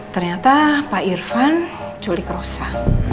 ternyata pak irfan culik rosa